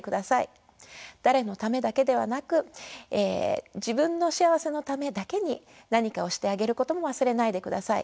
誰のためだけではなく自分の幸せのためだけに何かをしてあげることも忘れないでください。